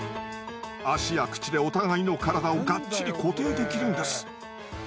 足や口でお互いの体をがっちり固定できるんです。